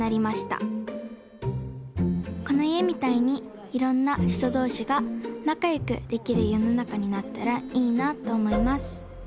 このいえみたいにいろんなひとどうしがなかよくできるよのなかになったらいいなとおもいます